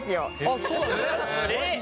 そうなんですか。